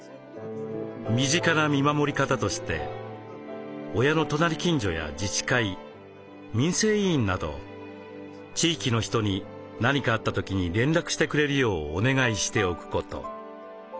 身近な見守り方として親の隣近所や自治会民生委員など地域の人に何かあった時に連絡してくれるようお願いしておくこと。